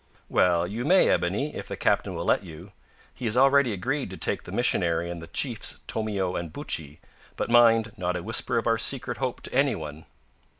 "Well, you may, Ebony, if the captain will let you. He has already agreed to take the missionary and the chiefs Tomeo and Buttchee; but, mind, not a whisper of our secret hope to any one."